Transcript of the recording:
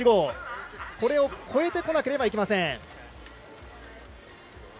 これを超えなければいけません。